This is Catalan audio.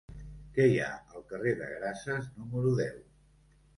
Què hi ha al carrer de Grases número deu?